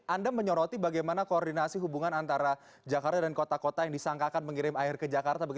anda menyoroti bagaimana koordinasi hubungan antara jakarta dan kota kota yang disangkakan mengirim air ke jakarta